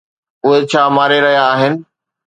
اهي ڇا ماري رهيا آهن؟